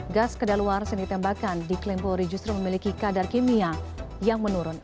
gas kedaluan yang ditembakan di klempo rejuster memiliki kadar kimia yang menurun